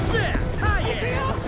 「さあいくよ！」